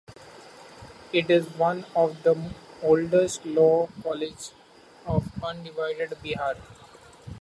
It is one of the oldest law college of undivided Bihar.